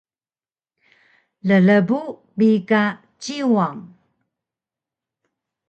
llbu bi ka Ciwang